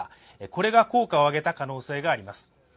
これが効果を上げた可能性があります。